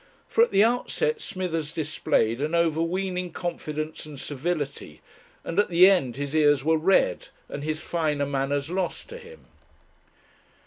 For at the outset Smithers displayed an overweening confidence and civility, and at the end his ears were red and his finer manners lost to him.